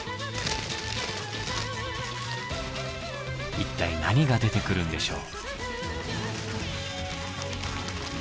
一体何が出てくるんでしょう？